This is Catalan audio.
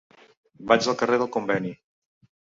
Vaig al carrer del Conveni.